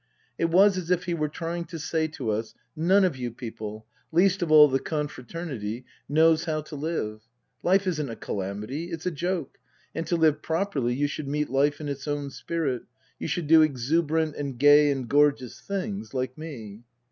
It was as if he were trying to say to us, " None of you people least of all the confraternity knows how to live. Life isn't a calamity ; it's a joke ; and to live properly you should meet life in its own spirit ; you should do exuberant and gay and gorgeous things, like me."